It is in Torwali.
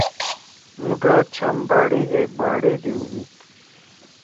مُوٹھا چھام باڑے دے باڑے دیؤدُود۔